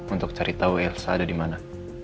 untuk cari tahu elsa ada di mana